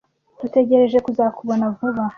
Dutegereje kuzakubona vuba.